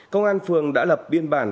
công an phường đã lập biên bản